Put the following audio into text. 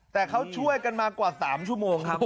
แต่เขาช่วยกันมากว่า๓ชั่วโมงครับ